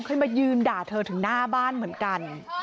เคยมายืนด่าเธอถึงหน้าบ้านเหมือนกัน